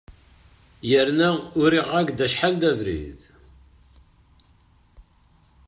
Yerna uriɣ-ak-d acḥal d abrid.